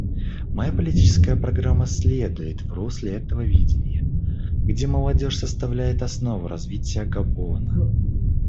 Моя политическая программа следует в русле этого видения, где молодежь составляет основу развития Габона.